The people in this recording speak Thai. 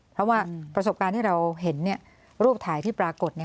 เพราะว่าประสบการณ์ที่เราเห็นรูปถ่ายที่ปรากฏ